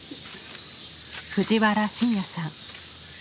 藤原新也さん。